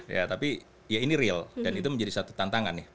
ya tapi ya ini real dan itu menjadi satu tantangan nih